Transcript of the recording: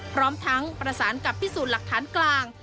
พร้อมทั้งประสานกับพิสูจน์หลักฐานกลาง